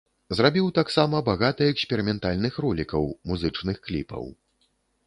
Зрабіў таксама багата эксперыментальных ролікаў, музычных кліпаў.